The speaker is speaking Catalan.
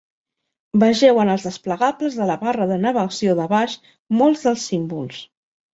Vegeu en els desplegables de la barra de navegació de baix molts dels símbols.